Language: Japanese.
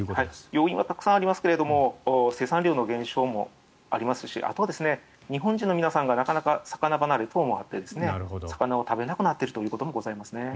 要因はたくさんありますが生産量の減少もありますしあとは日本人の皆さんがなかなか魚離れ等もあって魚を食べなくなっていることもありますね。